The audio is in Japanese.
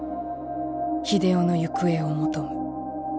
秀雄の行方を求む。